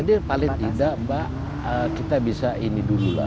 jadi paling tidak mbak kita bisa ini dulu lah